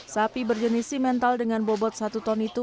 sapi berjenis simental dengan bobot satu ton itu